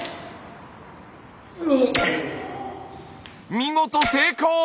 見事成功！